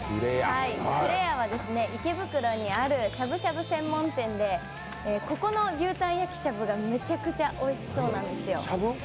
紅れやは、池袋にあるしゃぶしゃぶ専門店でここの牛タン焼きしゃぶがめちゃくちゃおいしそうなんですよ。